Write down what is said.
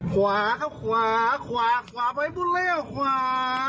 ขวาครับขวาขวาขวาไปพูดเลยหรอขวา